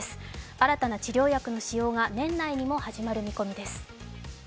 新たな治療薬の使用が年内にも始まる見込みです。